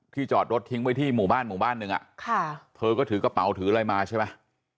จอดรถทิ้งไว้ที่หมู่บ้านหมู่บ้านหนึ่งอ่ะค่ะเธอก็ถือกระเป๋าถืออะไรมาใช่ไหม